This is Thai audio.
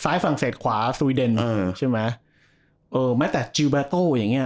ซ้ายฟรังเศษขวาสวีเดนอ่าใช่ไหมเออแม้แต่อย่างเงี้ย